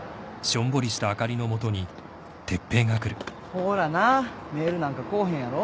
ほらなメールなんか来うへんやろ。